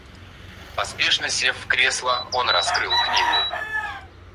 Поспешно сев в кресло, он раскрыл книгу.